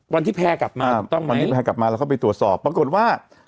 วันที่แพร่กลับมาถูกต้องวันที่แพรกลับมาแล้วก็ไปตรวจสอบปรากฏว่า